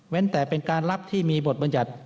แต่เป็นการรับที่มีบทบรรยัติ